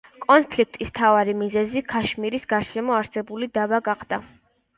კონფლიქტის მთავარი მიზეზი ქაშმირის გარშემო არსებული დავა გახდა.